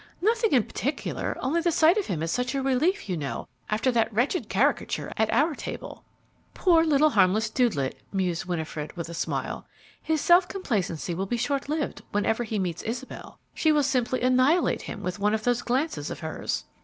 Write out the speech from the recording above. "Nothing in particular; only the sight of him is such a relief, you know, after that wretched caricature at our table." "Poor little harmless dudelet!" mused Winifred, with a smile; "his self complacency will be short lived whenever he meets Isabel. She will simply annihilate him with one of those glances of hers!"